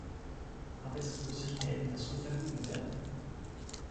Arbeitslosigkeit kann so vermieden werden.